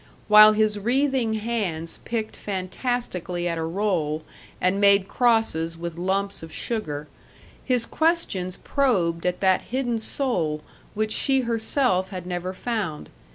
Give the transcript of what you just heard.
While his wreathing hands picked fantastically at a roll and made crosses with lumps of sugar, his questions probed at that hidden soul which she herself had never found.